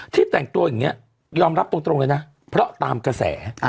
แต่งตัวอย่างนี้ยอมรับตรงเลยนะเพราะตามกระแส